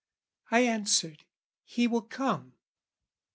I answered, "He will come."